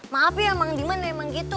maaf ya emang dimana emang gitu